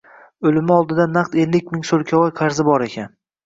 O‘limi oldidan naq ellik ming so‘lkavoy qarzi bor ekan.